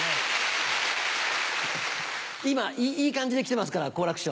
今いい感じで来てますから好楽師匠。